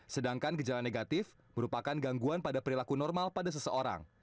sedangkan gejala negatif merupakan gangguan pada perilaku normal pada seseorang